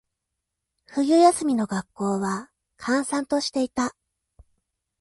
冬休みの学校は、閑散としていた。